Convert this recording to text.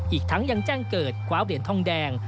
อีกทั้งยังแจ้งเกิดกวาวเดียนท่องแดง